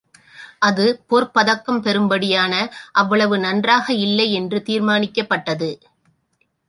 அது பொற்பதக்கம் பெறும்படியான அவ்வளவு நன்றாக இல்லை என்று தீர்மானிக்கப்பட்டது.